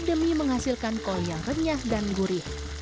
demi menghasilkan kol yang renyah dan gurih